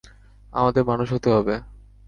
আমাদের মানুষ হতে হবে।